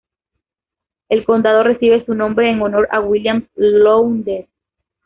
El condado recibe su nombre en honor a William Lowndes.